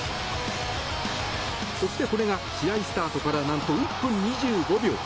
そして、これが試合スタートから何と１分２５秒。